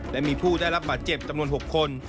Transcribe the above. และมีผู้ได้รับบาดเจ็บจำนวน๖คน